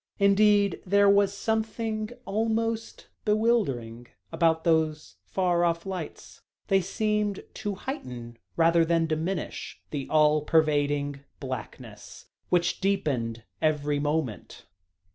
Indeed, there was something almost bewildering about those far off lights; they seemed to heighten, rather than diminish, the all pervading blackness, which deepened every moment.